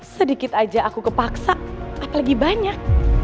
sedikit aja aku kepaksa apalagi banyak